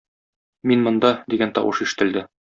Мин монда! - дигән тавыш ишетелде.